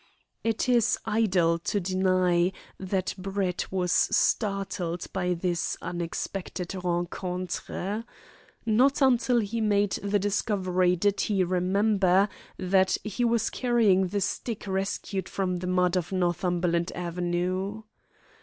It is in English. It is idle to deny that Brett was startled by this unexpected rencontre. Not until he made the discovery did he remember that he was carrying the stick rescued from the mud of Northumberland Avenue.